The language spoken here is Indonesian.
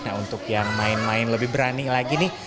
nah untuk yang main main lebih berani lagi nih